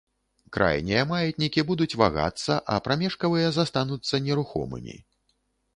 Крайнія маятнікі будуць вагацца, а прамежкавыя застануцца нерухомымі.